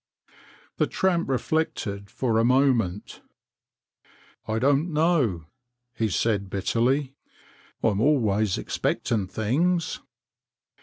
The tramp reflected for a moment. " I don't know," he said bitterly, "I'm always expecting things."